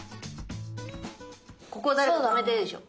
ここ誰か止めてるでしょ。